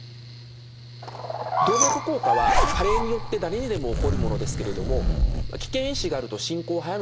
動脈硬化は加齢によって誰にでも起こるものですけれども危険因子があると進行を速めてしまいます。